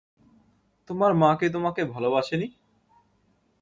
তোমার মা কি তোমাকে ভালবাসে নি?